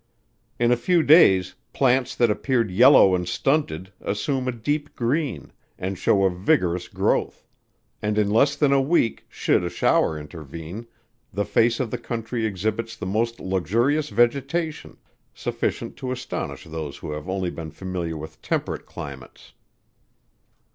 In a few days, plants that appeared yellow and stunted, assume a deep green, and show a vigorous growth; and in less than a week, should a shower intervene, the face of the country exhibits the most luxurious vegetation, sufficient to astonish those who have only been familiar with temperate climates.